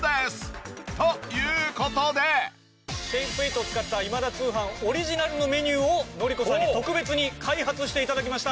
シェイプエイトを使った『今田通販』オリジナルのメニューをＮＯＲＩＫＯさんに特別に開発して頂きました！